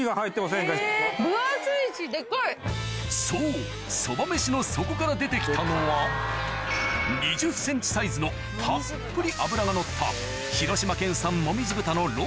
そうそば飯の底から出て来たのは２０ｃｍサイズのたっぷり脂がのった